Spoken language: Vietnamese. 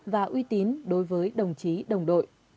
và uy tín đối với đồng chí đồng đội